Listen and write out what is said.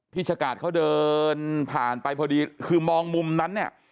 ชะกาดเขาเดินผ่านไปพอดีคือมองมุมนั้นเนี่ย